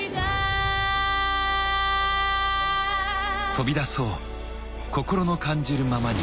［飛び出そう心の感じるままに］